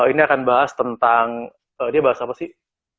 ini akan bahas tentang dia bahas apa sih